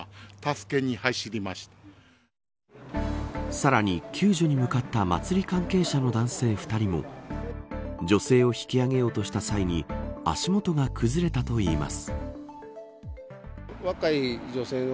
さらに救助に向かった祭り関係者の男性２人も女性を引き上げようとした際に足元が崩れたといいます。